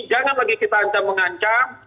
jangan lagi kita ancam mengancam